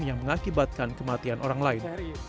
yang mengakibatkan kematian orang lain